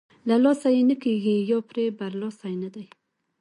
له لاسه یې نه کېږي یا پرې برلاسۍ نه دی.